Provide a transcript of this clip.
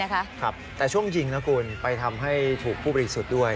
แต่ช่วงยิงนะคุณไปทำให้ถูกผู้บริสุทธิ์ด้วย